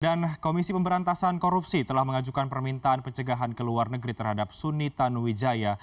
dan komisi pemberantasan korupsi telah mengajukan permintaan pencegahan ke luar negeri terhadap suni tanuwijaya